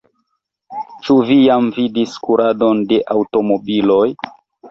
Ĉu vi jam vidis kuradon de aŭtomobiloj?